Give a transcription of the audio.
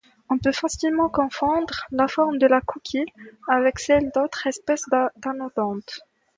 On peut facilement confondre la forme de la coquille avec celle d'autres espèces d'anodontes.